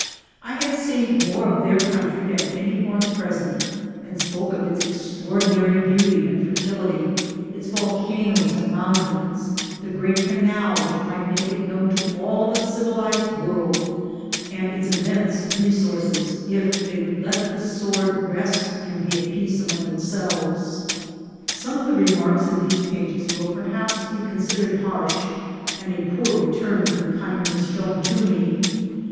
I had seen more of their country than any one present, and spoke of its ex traordinary beauty and fertility, its volcanoes and mount ains, the great canal which might make it known to all the civilized world, and its immense resources, if they would let the sword rest and be at peace among them selves. Some of the remarks in these pages will per haps be considered harsh, and a poor return for the kindness shown to me.